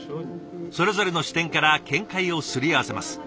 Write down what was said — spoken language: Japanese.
それぞれの視点から見解をすり合わせます。